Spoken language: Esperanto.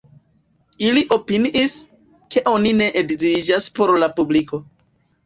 Ili opiniis, ke oni ne edziĝas por la publiko.